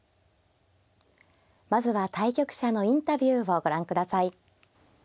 まずは対局者のインタビューをご覧ください。